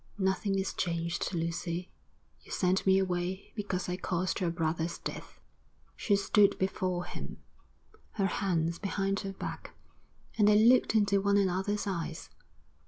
'Nothing is changed, Lucy. You sent me away because I caused your brother's death.' She stood before him, her hands behind her back, and they looked into one another's eyes.